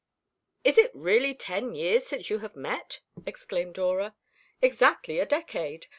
"Is it really ten years since you have met?" exclaimed Dora. "Exactly a decade.